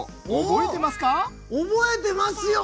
覚えてますよ！